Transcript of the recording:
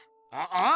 ああ？